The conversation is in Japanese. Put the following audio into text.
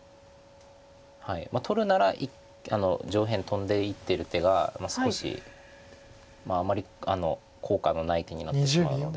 取るなら上辺トンでいってる手が少しあまり効果のない手になってしまうので。